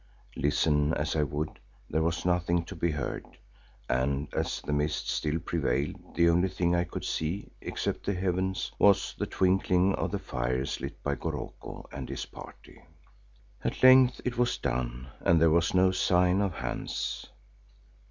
Listen as I would, there was nothing to be heard, and as the mist still prevailed the only thing I could see except the heavens, was the twinkling of the fires lit by Goroko and his party. At length it was done and there was no sign of Hans.